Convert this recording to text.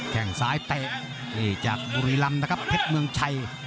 แทงสายเตะจากบุรีลำนะครับเพชรเมืองชัย